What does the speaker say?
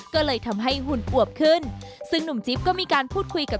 ก็เลยทำให้หุ่นอวบขึ้นซึ่งหนุ่มจิ๊บก็มีการพูดคุยกับ